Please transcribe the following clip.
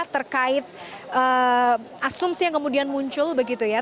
terkait asumsi yang kemudian muncul begitu ya